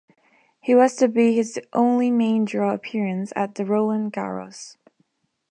He was to be his only main draw appearance at Roland Garros.